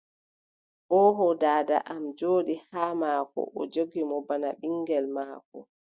Oooho. Daada am ɗon jooɗi haa maako, o joggi mo baa ɓinŋgel maako.